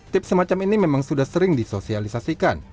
tips semacam ini memang sudah sering disosialisasikan